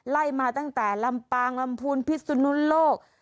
ไล่มาตั้งแต่ลำปางลำพูนพิสุนุโลก